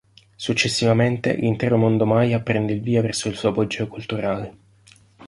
Successivamente, l'intero mondo Maya prende il via verso il suo apogeo culturale.